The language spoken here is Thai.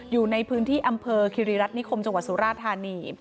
อยู่ในพื้นที่อำเภอคิริรัตนิคมจังหวัดสุราธานี